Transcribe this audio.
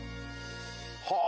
はあ。